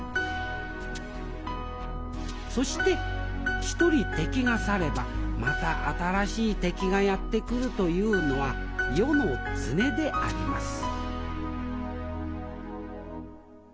そして一人敵が去ればまた新しい敵がやって来るというのは世の常であります